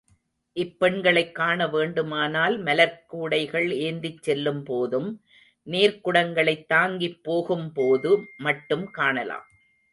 இப்பெண்களைக் காண வேண்டுமானால் மலர்க் கூடைகள் ஏந்திச் செல்லும் போதும், நீர்க்குடங்களைத் தாங்கிப் போகும் போது மட்டும் காணலாம்.